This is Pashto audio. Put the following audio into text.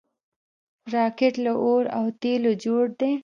راکټ له اور او تیلو جوړ دی